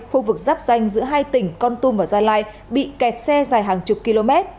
khu vực giáp danh giữa hai tỉnh con tum và gia lai bị kẹt xe dài hàng chục km